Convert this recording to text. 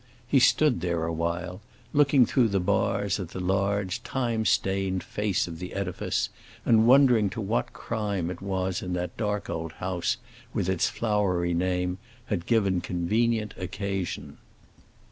He stood there a while, looking through the bars at the large, time stained face of the edifice, and wondering to what crime it was that the dark old house, with its flowery name, had given convenient occasion.